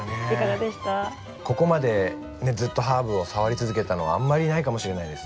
ここまでずっとハーブを触り続けたのはあんまりないかもしれないです。